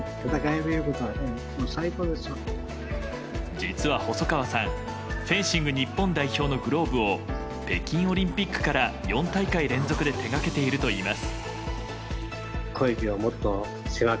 実は、細川さんフェンシング日本代表のグローブを北京オリンピックから４大会連続で手がけているといいます。